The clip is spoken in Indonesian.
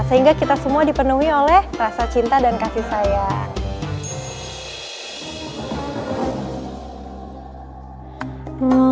sehingga kita semua dipenuhi oleh rasa cinta dan kasih sayang